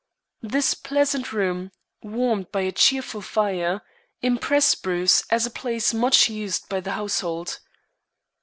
This pleasant room, warmed by a cheerful fire, impressed Bruce as a place much used by the household.